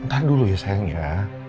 bentar dulu ya sayang ya